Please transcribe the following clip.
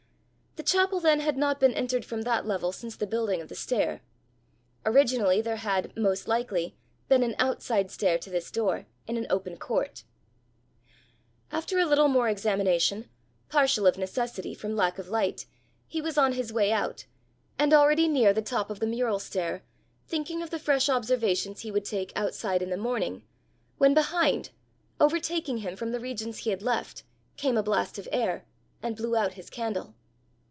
The chapel then had not been entered from that level since the building of the stair. Originally there had, most likely, been an outside stair to this door, in an open court. After a little more examination, partially of necessity from lack of light, he was on his way out, and already near the top of the mural stair, thinking of the fresh observations he would take outside in the morning, when behind, overtaking him from the regions he had left, came a blast of air, and blew out his candle.